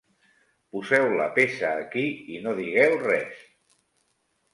Poseu la peça aquí i no digueu res.